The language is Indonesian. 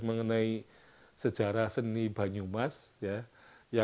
mengenai sejarah seni banyumas ya